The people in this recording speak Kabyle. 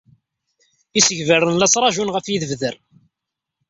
Isegbaren la ttṛajun ɣef yidebder.